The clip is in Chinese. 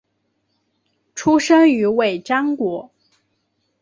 出生于尾张国。